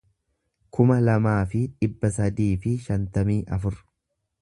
kuma lamaa fi dhibba sadii fi shantamii afur